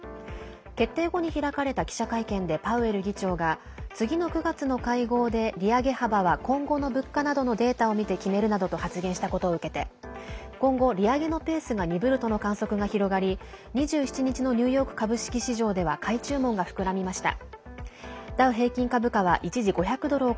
決定後に開かれた記者会見でパウエル議長が次の９月の会合で利上げ幅は今後の物価などのデータを見て決めるなどと発言したことを受けて今後、利上げのペースが鈍るとの観測が広がり２７日のニューヨーク株式市場では買い注文が膨らみました。